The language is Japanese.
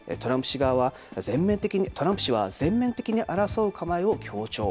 トランプ氏は全面的に争う構えを強調。